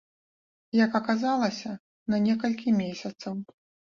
Як аказалася, на некалькі месяцаў.